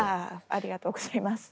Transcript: ありがとうございます。